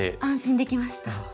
安心できました。